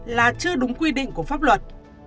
là chưa đúng quy định của pháp luật